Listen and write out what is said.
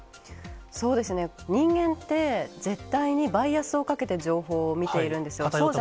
そうですね、人間って、絶対にバイアスをかけて情報を見ているんですよ。